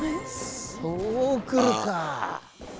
そう来るか。